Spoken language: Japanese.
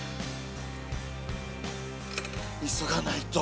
急がないと。